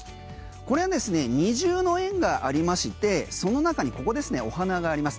これですね二重の円がありましてその中に、ここですねお花があります。